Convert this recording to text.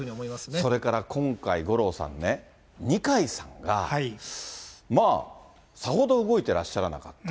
それから今回、五郎さんね、二階さんがまあ、さほど動いてらっしゃらなかった。